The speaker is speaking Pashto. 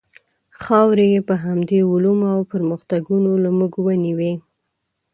خاورې یې په همدې علومو او پرمختګونو له موږ ونیوې.